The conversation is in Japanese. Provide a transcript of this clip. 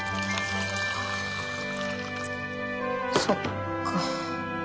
そっか。